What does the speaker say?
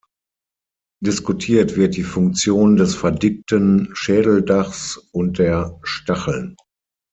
Diskutiert wird die Funktion des verdickten Schädeldachs und der Stacheln.